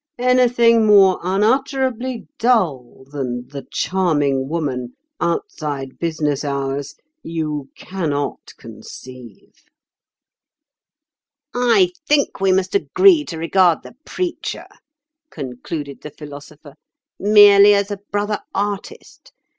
'Anything more unutterably dull than "the charming woman" outside business hours you cannot conceive.'" "I think we must agree to regard the preacher," concluded the Philosopher, "merely as a brother artist.